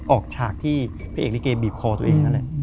ฉากที่พระเอกลิเกบีบคอตัวเองนั่นแหละ